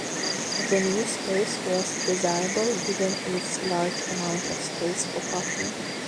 The new space was desirable given its large amount of space for parking.